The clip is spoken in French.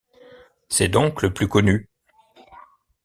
C'est donc le plus connu.